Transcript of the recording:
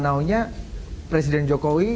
naunya presiden jokowi